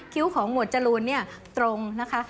้วของหมวดจรูนเนี่ยตรงนะคะ